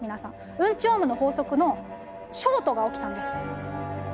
うんちオームの法則のショートが起きたんです。